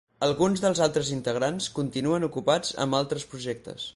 Alguns dels altres integrants continuen ocupats amb altres projectes.